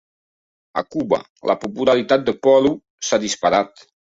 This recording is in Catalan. A Cuba, la popularitat de Polo s'ha disparat.